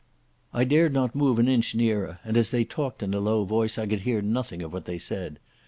I dared not move an inch nearer, and as they talked in a low voice I could hear nothing of what they said.